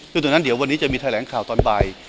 ซึ่งตรงนั้นเดี๋ยววันนี้จะมีแถลงข่าวตอนบ่าย